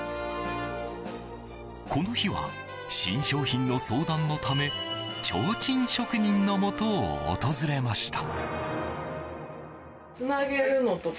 この日は新商品の相談のためちょうちん職人のもとを訪れました。